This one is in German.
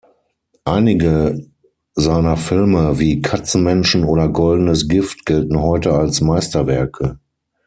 Einige seiner Filme wie "Katzenmenschen" oder "Goldenes Gift" gelten heute als Meisterwerke.